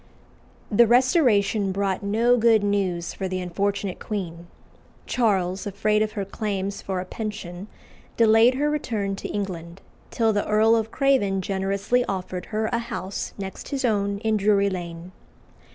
The Restoration brought no good news for the unfortunate queen. Charles, afraid of her claims for a pension, delayed her return to England, till the Earl of Craven generously offered her a house next his own in Drury Lane.